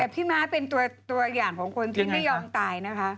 แต่พี่ม้าเป็นตัวอย่างของคนที่ไม่ยอมตายนะคะ